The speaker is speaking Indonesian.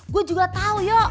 gue juga tau yuk